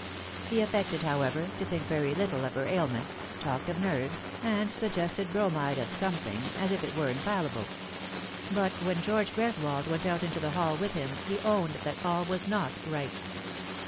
He affected, however, to think very little of her ailments, talked of nerves, and suggested bromide of something, as if it were infallible ; but when George Greswold went out into the hall with him he owned that all was not right.